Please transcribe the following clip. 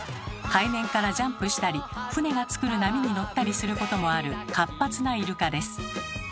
海面からジャンプしたり船がつくる波に乗ったりすることもある活発なイルカです。